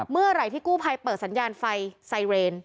เมื่อไหร่ที่กู้ภัยเปิดสัญญาณไฟไซเรน